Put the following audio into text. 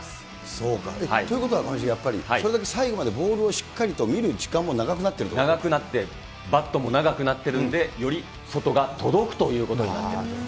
そうか。ということは上重、やっぱりそれだけ最後までボールをしっかりと見る時間も長くなっ長くなって、バットも長くなってるんで、より外が届くということになってるんですね。